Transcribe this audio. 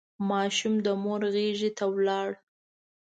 ماشوم د مور غېږ ته لاړ.